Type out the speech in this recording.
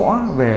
chưa đầy đủ